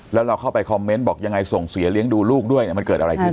แล้วเราเข้าไปคอมเมนต์บอกยังไงส่งเสียเลี้ยงดูลูกด้วยมันเกิดอะไรขึ้น